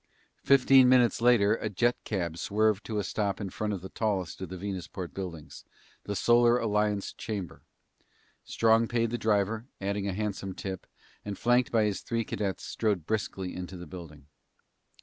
Fifteen minutes later, a jet cab swerved to a stop in front of the tallest of the Venusport buildings, the Solar Alliance Chamber. Strong paid the driver, adding a handsome tip, and flanked by his three cadets strode briskly into the building.